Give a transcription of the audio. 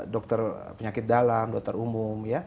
dokter penyakit dalam dokter umum